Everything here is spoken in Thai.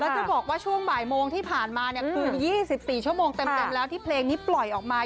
แล้วจะบอกว่าช่วงบ่ายโมงที่ผ่านมาเนี่ยคือ๒๔ชั่วโมงเต็มแล้วที่เพลงนี้ปล่อยออกมา